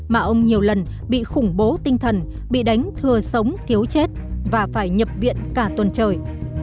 mà ông nhiều lần bị khủng bố tinh thần bị đánh thừa sống thiếu chết và phải nhập viện cả tuần trời